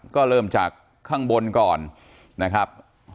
ก็เริ่มจากข้างบนก่อนนะครับ